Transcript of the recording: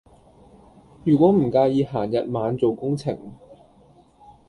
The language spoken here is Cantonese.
如果唔介意閒日晚做工程